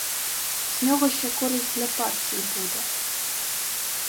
З нього ще користь для партії буде.